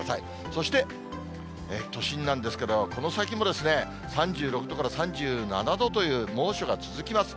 そして、都心なんですけど、この先も３６度から３７度という猛暑が続きます。